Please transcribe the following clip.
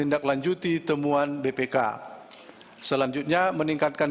dan bpih sebanyak delapan orang